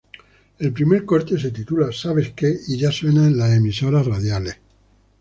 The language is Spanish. El primer corte se titula "Sabes Que" y ya suena en las emisoras radiales.